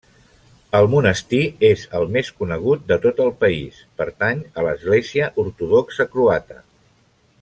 El Monestir és el més conegut de tot el país, pertany a l'Església Ortodoxa croata.